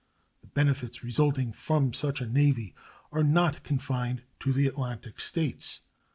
The benefits resulting from such a navy are not confined to the Atlantic States.